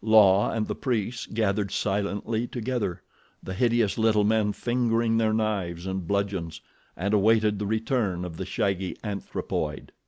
La and the priests gathered silently together, the hideous little men fingering their knives and bludgeons, and awaited the return of the shaggy anthropoid.